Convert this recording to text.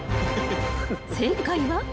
［正解は］